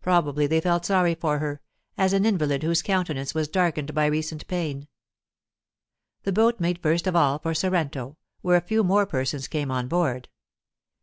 Probably they felt sorry for her, as an invalid whose countenance was darkened by recent pain. The boat made first of all for Sorrento, where a few more persons came on board.